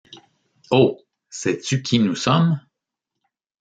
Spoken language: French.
Oh ! sais-tu qui nous sommes ?